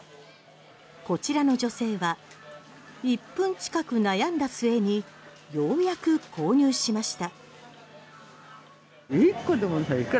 こちらの女性は１分近く悩んだ末にようやく購入しました。